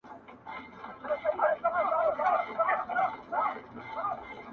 سحر وختي بۀ يى قرضداري دروازه وهله.